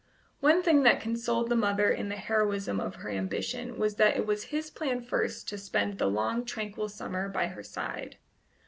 One thing that consoled the mother in the heroism of her ambition was that it was his plan first to spend the long tranquil summer by her side.